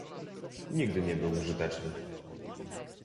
Nigdy nie był użyteczny